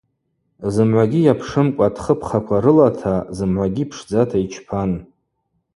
Зымгӏвагьи йапшымкӏва атхыпхаква рылата, зымгӏвагьи пшдзата йчпан.